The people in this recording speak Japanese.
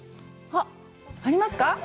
あっ、ありますか？